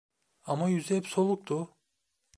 Ama yüzü hep soluktu.